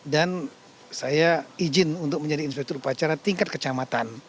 dan saya izin untuk menjadi inspektur upacara tingkat kecamatan